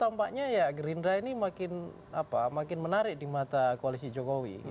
tampaknya ya gerindra ini makin menarik di mata koalisi jokowi